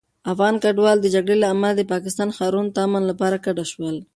افغان کډوال د جګړې له امله د پاکستان ښارونو ته امن لپاره کډه شول.